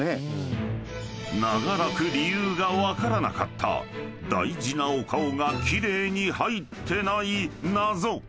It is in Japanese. ［長らく理由が分からなかった大事なお顔が奇麗に入ってない謎］